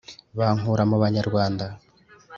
bankura mu banyarwanda!"